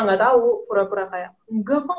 gak tau pura pura kayak enggak pak